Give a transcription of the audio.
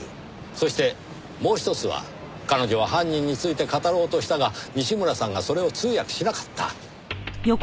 そしてもう一つは彼女は犯人について語ろうとしたが西村さんがそれを通訳しなかった。